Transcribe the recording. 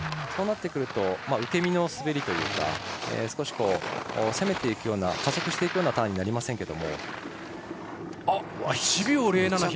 そうなってくると受け身の滑りというか少し攻めていくような加速していくターンになりません。